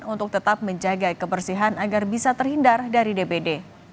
untuk tetap menjaga kebersihan agar bisa terhindar dari dpd